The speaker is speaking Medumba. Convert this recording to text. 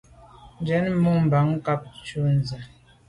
Njen mo’ bàm nkàb ntshu ntse.